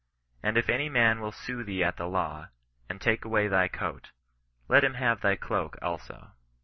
And if any man will sue thee at the law, and take away thy coat, let him have thy cloak also.